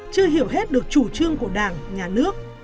chưa hiểu hết được chủ trương của đảng nhà nước